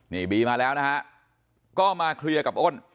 นี่บีมาแล้วนะฮะก็มาเคลียร์กับอ้น